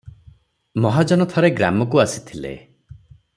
ମହାଜନ ଥରେ ଗ୍ରାମକୁ ଆସିଥିଲେ ।